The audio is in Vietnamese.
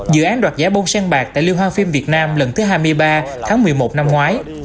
dự án đoạt giá bông sen bạc tại liêu hoa phim việt nam lần thứ hai mươi ba tháng một mươi một năm ngoái